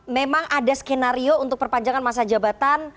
memang ada skenario untuk perpanjangan masa jabatan